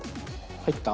入った？